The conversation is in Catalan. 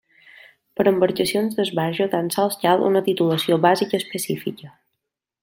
Per a embarcacions d'esbarjo tan sols cal una titulació bàsica específica.